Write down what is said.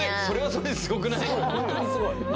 それはそれですごくない？